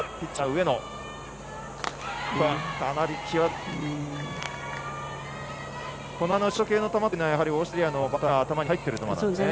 シュート系の球というのはオーストラリアのバッターには頭に入っていると思いますね。